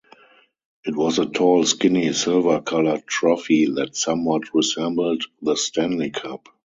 It was a tall, skinny, silver-colored trophy that somewhat resembled the Stanley Cup.